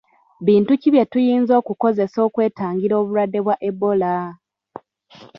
Bintu ki bye tuyinza okukozesa okwetangira obulwadde bwa Ebola?